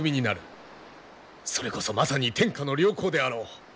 それこそまさに天下の良港であろう。